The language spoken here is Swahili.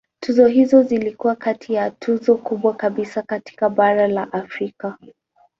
Tuzo hizo zilikuwa kati ya tuzo kubwa kabisa katika bara la Afrika.